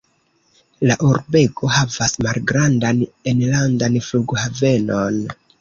La urbego havas malgrandan enlandan flughavenon.